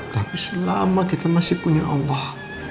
tapi selama kita masih punya allah